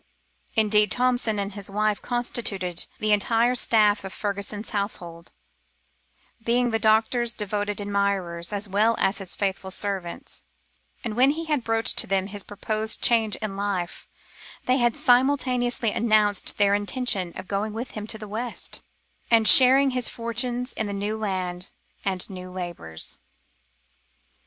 Indeed, Thompson and his wife constituted the entire staff of Fergusson's household, being the doctor's devoted admirers, as well as his faithful servants; and when he had broached to them his proposed change of life, they had simultaneously announced their intention of going with him to the West, and sharing his fortunes in the new land and new labours.